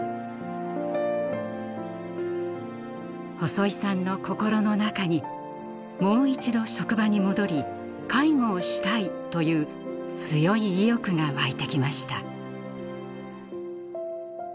細井さんの心の中にもう一度職場に戻り「介護をしたい」という強い意欲が湧いてきました。